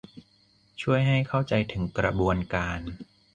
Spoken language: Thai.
ช่วยให้เข้าใจถึงกระบวนการ